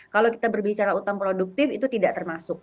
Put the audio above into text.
kalau kita berbicara utang produktif itu tidak termasuk